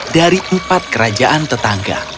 dari upat kerajaan tetangga